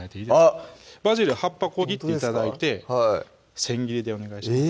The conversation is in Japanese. あっバジル葉っぱをちぎって頂いてはい千切りでお願いします